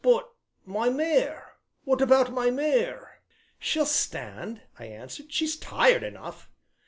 "But my mare, what about my mare?" "She'll stand," I answered; "she's tired enough."